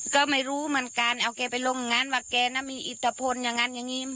ก็ไม่รู้เหมือนกันเอาแกไปลงอย่างนั้นว่าแกน่ะมีอิทธพลอย่างนั้นอย่างนี้